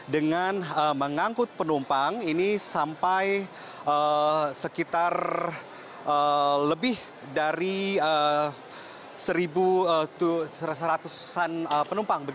dengan mengangkut penumpang ini sampai sekitar lebih dari seratusan penumpang